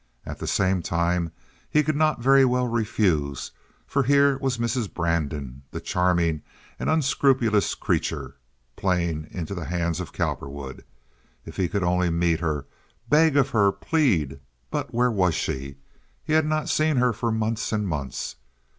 At the same time he could not very well refuse, for here was Mrs. Brandon, the charming and unscrupulous creature, playing into the hands of Cowperwood. If he could only meet her, beg of her, plead; but where was she? He had not seen her for months and months.